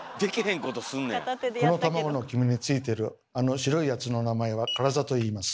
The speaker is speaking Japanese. この卵の黄身についてるあの白いやつの名前はカラザといいます。